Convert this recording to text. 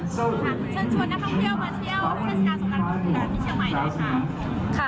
เชิญชวนนะครับเพื่อมาเที่ยวเทศกาสงกรรมที่เชียงใหม่ได้ค่ะ